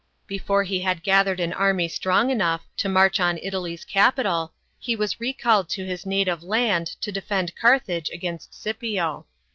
Before he had gathered an army strong enough, to march on Italy's capital, he was recalled to his native land to defend Carthage against Scipio.